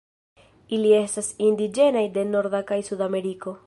Ili estas indiĝenaj de Norda kaj Sudameriko.